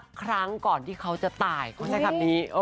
ครั้งก่อนที่เขาจะตายเขาใช้คำนี้